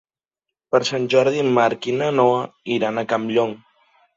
Per Sant Jordi en Marc i na Noa iran a Campllong.